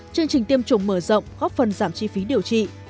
chương trình tiêm chủng mở rộng góp phần giảm chi phí điều trị